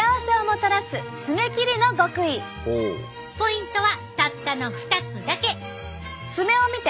ポイントはたったの２つだけ！